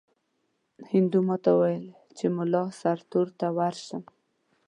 هندو ماته وویل چې مُلا سرتور ته ورشم.